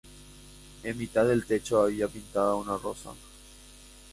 En mitad del techo había pintada una rosa.